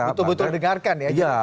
betul betul dengarkan ya